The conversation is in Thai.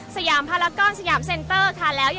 อาจจะออกมาใช้สิทธิ์กันแล้วก็จะอยู่ยาวถึงในข้ามคืนนี้เลยนะคะ